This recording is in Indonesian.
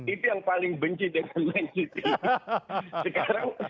itu yang paling benci dengan fans inter